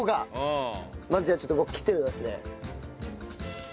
まずじゃあちょっと切ってみますね。